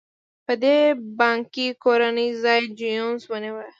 په دې بانکي کورنۍ ځای جینوس ونیوه.